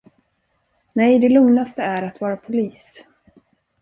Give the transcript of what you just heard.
Nej, det lugnaste är att vara polis.